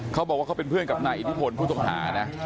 เขาบอกว่าเขาเป็นเพื่อนกับนายอิทธิพลผู้ต้องหานะ